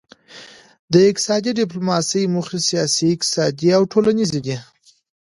د اقتصادي ډیپلوماسي موخې سیاسي اقتصادي او ټولنیزې دي